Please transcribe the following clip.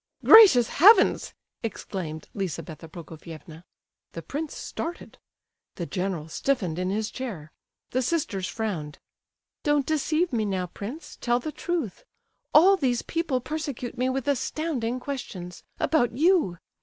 "Gracious heavens!" exclaimed Lizabetha Prokofievna. The prince started. The general stiffened in his chair; the sisters frowned. "Don't deceive me now, prince—tell the truth. All these people persecute me with astounding questions—about you.